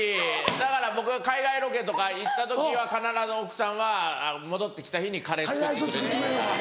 だから僕海外ロケとか行った時は必ず奥さんは戻って来た日にカレー作っといてくれる。